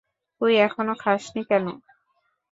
তুই এখনও খাসনি কেন?